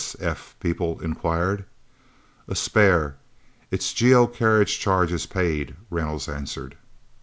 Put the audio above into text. S.S.F. people inquired. "A spare. Its GO carriage charge is paid," Reynolds answered.